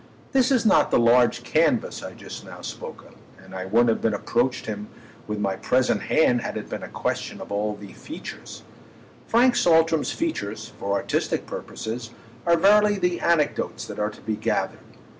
This is not the large canvas I just now spoke of, and I wouldn't have approached him with my present hand had it been a question of all the features. Frank Saltram's features, for artistic purposes, are verily the anecdotes that are to be gathered.